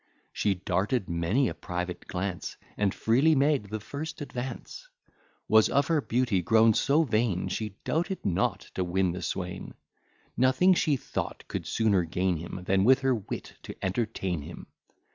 She darted many a private glance, And freely made the first advance; Was of her beauty grown so vain, She doubted not to win the swain; Nothing she thought could sooner gain him, Than with her wit to entertain him.